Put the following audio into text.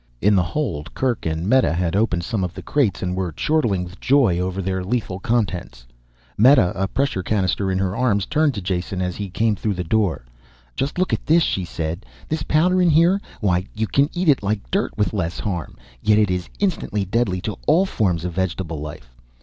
In the hold, Kerk and Meta had opened some of the crates and were chortling with joy over their lethal contents. Meta, a pressure canister in her arms, turned to Jason as he came through the door. "Just look at this," she said. "This powder in here why you can eat it like dirt, with less harm. Yet it is instantly deadly to all forms of vegetable life